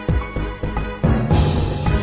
กินโทษส่องแล้วอย่างนี้ก็ได้